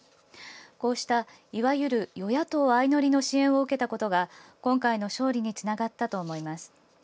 こうしたいわゆる与野党相乗りの支援を受けたことが今回の勝利につながったと思います。